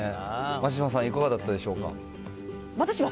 松嶋さん、いかがだったでしょうか。